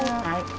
はい。